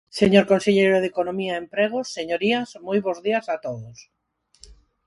Señor conselleiro de Economía e Emprego, señorías, moi bos días a todos.